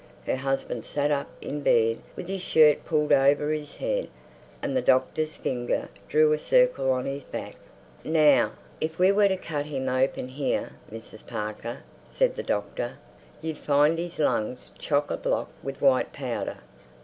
Her husband sat up in bed with his shirt pulled over his head, and the doctor's finger drew a circle on his back. "Now, if we were to cut him open here, Mrs. Parker," said the doctor, "you'd find his lungs chock a block with white powder.